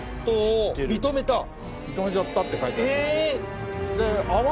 認めちゃったって書いてある。